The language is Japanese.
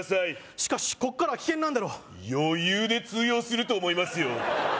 しかしここからは危険なんだろ余裕で通用すると思いますよ